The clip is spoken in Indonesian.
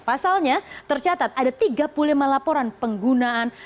pasalnya tercatat ada tiga puluh lima laporan penggunaan